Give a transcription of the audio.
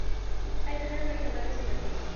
Hay trenes regionales y directos.